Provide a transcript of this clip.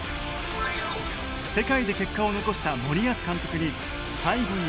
世界で結果を残した森保監督に最後に聞きたかった事。